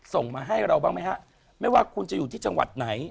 ส่งมาให้เราบ้างไหมฮะไม่ว่าคุณจะอยู่ที่จังหวัดไหน